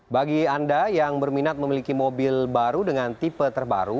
bagi anda yang berminat memiliki mobil baru dengan tipe terbaru